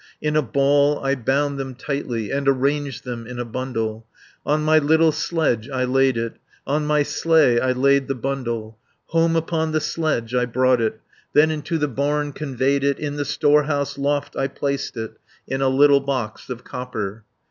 70 In a ball I bound them tightly; And arranged them in a bundle; On my little sledge I laid it, On my sleigh I laid the bundle; Home upon the sledge I brought it, Then into the barn conveyed it; In the storehouse loft I placed it, In a little box of copper.